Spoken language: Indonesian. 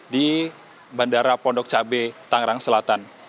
di bandara pondok cabe tangerang selatan